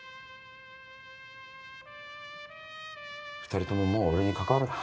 ２人とももう俺に関わるな。